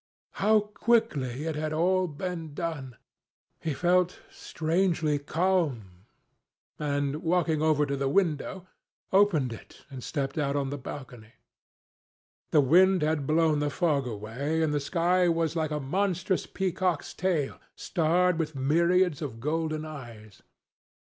How quickly it had all been done! He felt strangely calm, and walking over to the window, opened it and stepped out on the balcony. The wind had blown the fog away, and the sky was like a monstrous peacock's tail, starred with myriads of golden eyes.